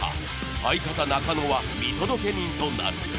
相方中野は見届け人となる。